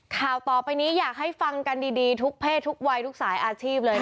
ข่าวต่อไปนี้อยากให้ฟังกันดีทุกเพศทุกวัยทุกสายอาชีพเลย